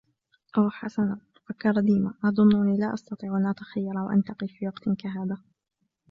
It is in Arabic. " أوه ، حسنًا... " فكر ديما. " أظنني لا أستطيع أن أتخير وأنتقي في وقت كهذا ".